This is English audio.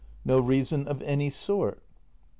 No reason of any sort ?